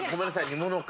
煮物か。